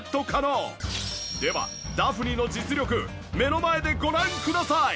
ではダフニの実力目の前でご覧ください！